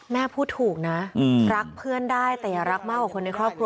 แม่พูดถูกนะรักเพื่อนได้แต่อย่ารักมากกว่าคนในครอบครัว